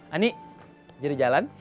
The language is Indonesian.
ani jadi jalan